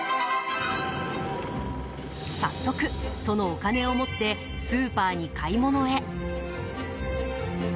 早速、そのお金を持ってスーパーに買い物へ。